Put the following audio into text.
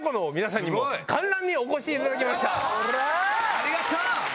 ありがとう！